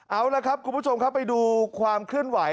เอาละครับคุณผู้ชมครับไปดูความเคลื่อนไหว